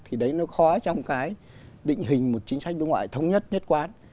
thì đấy nó khó trong cái định hình một chính sách đối ngoại thống nhất nhất quán